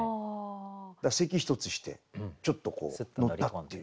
だから咳一つしてちょっとこう乗ったっていう。